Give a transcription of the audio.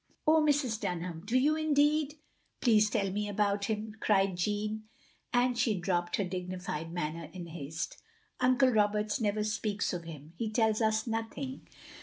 "Oh, Mrs. Dunham, do you indeed? Please tell me about him, " cried Jeanne, and she dropped her dignified manner in haste. "Uncle Roberts never speaks of him, he tells us nothing."